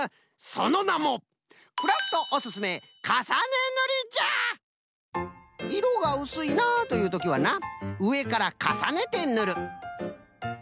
そのなもいろがうすいなあというときはなうえからかさねてぬる。